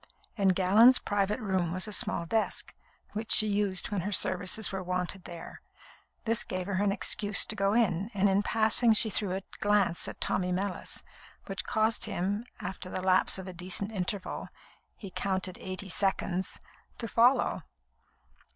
In Gallon's private room was a small desk, which she used when her services were wanted there. This gave her an excuse to go in, and in passing she threw a glance at Tommy Mellis, which caused him, after the lapse of a decent interval (he counted eighty seconds), to follow.